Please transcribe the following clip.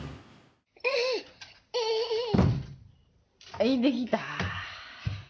はいできた！